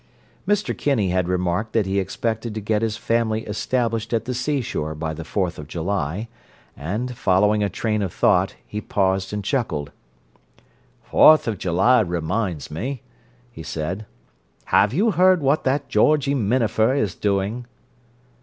Mr. Kinney had remarked that he expected to get his family established at the seashore by the Fourth of July, and, following a train of thought, he paused and chuckled. "Fourth of July reminds me," he said. "Have you heard what that Georgie Minafer is doing?"